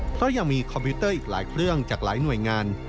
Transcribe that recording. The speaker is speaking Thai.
เพราะยังมีคอมพิวเตอร์อีกหลายเครื่องจากหลายหน่วยงาน